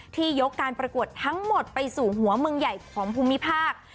ยกการประกวดทั้งหมดไปสู่หัวเมืองใหญ่ของภูมิภาค